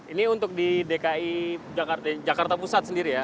ini untuk di dki jakarta pusat sendiri ya